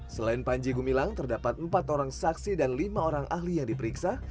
selain panji gumilang terdapat empat orang saksi dan lima orang ahli yang diperiksa